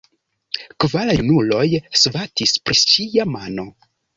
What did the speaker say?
Kvar junuloj svatis pri ŝia mano.